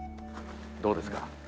どうですか？